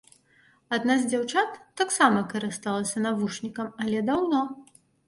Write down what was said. Адна з дзяўчат таксама карысталася навушнікам, але даўно.